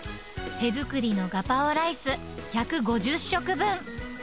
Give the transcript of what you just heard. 手作りのガパオライス１５０食分。